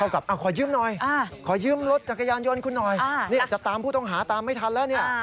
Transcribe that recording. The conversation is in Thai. ขอยืมรถจักรยานยนต์คุณหน่อยจะตามผู้ต้องหาตามไม่ทันแล้วเนี่ย